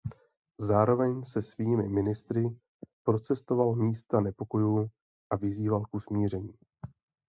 Zároveň se svými ministry procestoval místa nepokojů a vyzýval k usmíření.